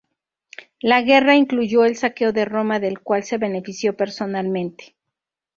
La guerra incluyó el saqueo de Roma del cual se benefició personalmente.